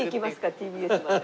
ＴＢＳまで。